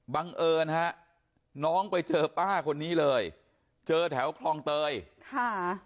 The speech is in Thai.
บังเอิญฮะน้องไปเจอป้าคนนี้เลยเจอแถวคลองเตยค่ะ